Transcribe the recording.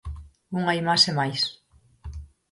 Unha imaxe máis.